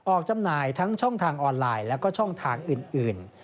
จำหน่ายทั้งช่องทางออนไลน์แล้วก็ช่องทางอื่น